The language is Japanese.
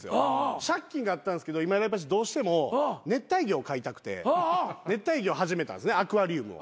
借金があったんですけど今井らいぱちどうしても熱帯魚を飼いたくて熱帯魚を始めたアクアリウムを。